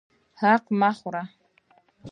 حق مه خورئ